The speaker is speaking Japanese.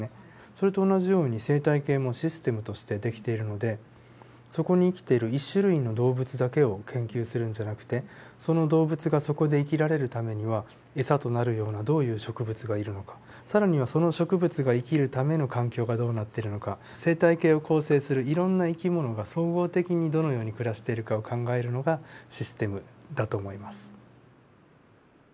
それと同じように生態系もシステムとして出来ているのでそこに生きている一種類の動物だけを研究するんじゃなくてその動物がそこで生きられるためには餌となるようなどういう植物がいるのか更にはその植物が生きるための環境がどうなっているのか生態系を構成するいろんな生き物が総合的にどのように暮らしているかを考えるのがシステムだと思います。